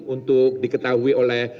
untuk diketahui oleh